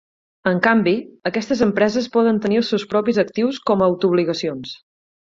En canvi, aquestes empreses poden tenir els seus propis actius com a "auto-obligacions".